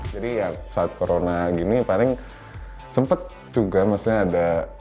jadi saat corona gini paling sempat juga ada